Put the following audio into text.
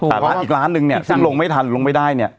แต่ละอีกร้านนึงเนี่ยถ้าลงไม่ทันลงไม่ได้เนี่ย